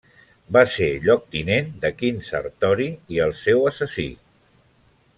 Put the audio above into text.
Va ser lloctinent de Quint Sertori i el seu assassí.